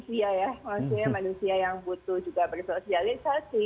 maksudnya manusia yang butuh juga bersosialisasi